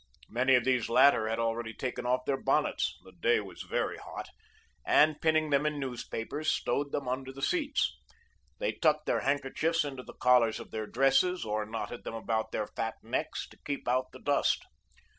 Many of these latter had already taken off their bonnets the day was very hot and pinning them in newspapers, stowed them under the seats. They tucked their handkerchiefs into the collars of their dresses, or knotted them about their fat necks, to keep out the dust.